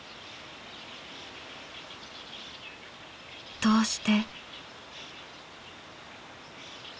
どうして。